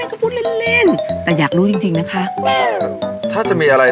ก็พูดเล่นเล่นแต่อยากรู้จริงนะคะว่าถ้าจะมีอะไร